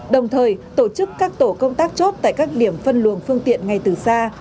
đồng thời tổ chức các tổ công tác chốt tại các điểm phân luồng phương tiện ngay từ xa